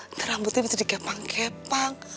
nanti rambutnya bisa digapang kepang